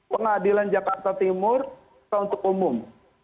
pengadilan jakarta timur untuk umum